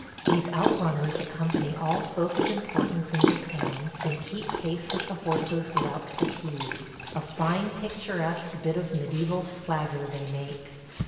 These out runners accompany all folk of importance in Japan, and keep pace with the horses without fatigue. A fine, picturesque bit of mediæval swagger they make.